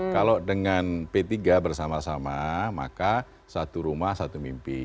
kalau dengan p tiga bersama sama maka satu rumah satu mimpi